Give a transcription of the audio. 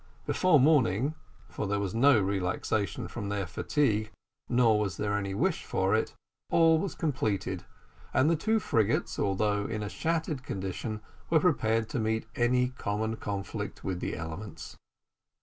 Before morning for there was no relaxation from their fatigue, nor was there any wish for it all was completed, and the two frigates, although in a shattered condition, were prepared to meet any common conflict with the elements.